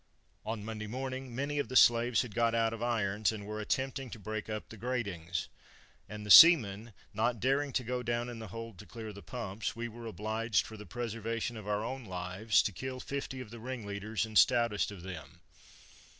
"On Monday morning, many of the slaves had got out of irons, and were attempting to break up the gratings; and the seamen not daring to go down in the hold to clear the pumps, we were obliged, for the preservation of our own lives, to kill fifty of the ringleaders and stoutest of them.